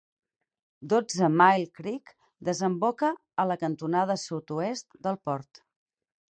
Dotze Mile Creek desemboca a la cantonada sud-oest del port.